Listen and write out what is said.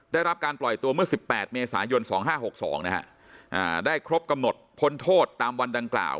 ได้รับการปล่อยตัวเมื่อ๑๘เมษายน๒๕๖๒นะฮะได้ครบกำหนดพ้นโทษตามวันดังกล่าว